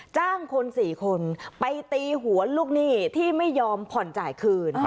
จ้างคน๔คนไปตีหัวลูกหนี้ที่ไม่ยอมผ่อนจ่ายคืน